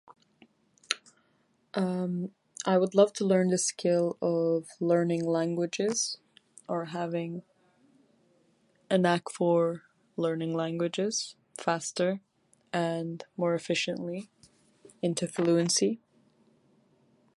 Um, I would love to learn the skill of learning languages, or having a knack for learning languages faster and more efficiently. Into fluency.